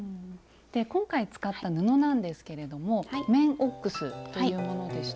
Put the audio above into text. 今回使った布なんですけれども綿オックスというものでした。